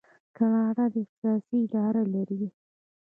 کاناډا د احصایې اداره لري.